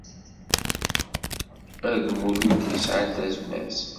A lmuluk yesɛan tazmert.